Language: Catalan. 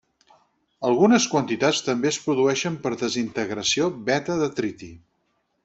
Algunes quantitats també es produeixen per desintegració beta de triti.